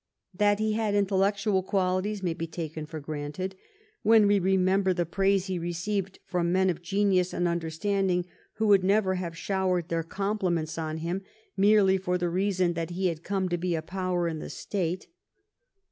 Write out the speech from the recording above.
That he had intellectual quali ties may be taken for granted when we remember the praise he received from men of genius and under standing, who would never have showered their com pliments on him merely for the reason that he had come to be a power in the state.